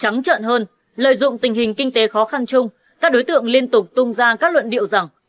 nói trận hơn lợi dụng tình hình kinh tế khó khăn chung các đối tượng liên tục tung ra các luận điều rằng